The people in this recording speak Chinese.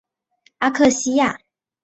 阿克西亚。